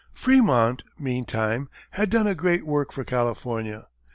Frémont, meantime, had done a great work for California.